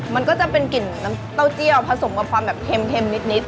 มันก็จะเป็นกลิ่นน้ำเต้าเจียวผสมกับความแบบเค็มนิด